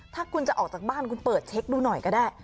ถ้าคุณจะออกจากบ้านคุณเปิดเช็คดูหน่อยก็ได้